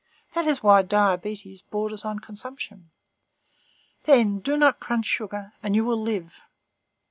That is why diabetes borders on consumption. Then, do not crunch sugar, and you will live.